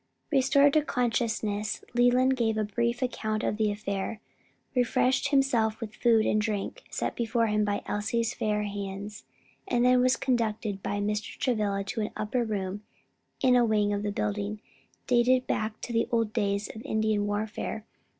Restored to consciousness, Leland gave a brief account of the affair, refreshed himself with food and drink set before him by Elsie's fair hands, and then was conducted by Mr. Travilla to an upper room in a wing of the building, dating back to the old days of Indian warfare.